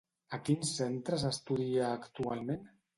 A quins centres estudia actualment?